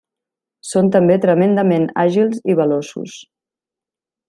Són també tremendament àgils i veloços.